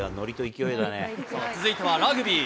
続いてはラグビー。